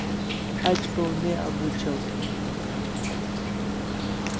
Aj kaw ne amuchaw